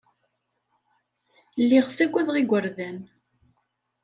Lliɣ ssagadeɣ igerdan.